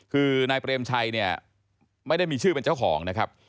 คือนายเปรมชัยเนี่ยไม่ได้มีชื่อเป็นเจ้าของนะครับ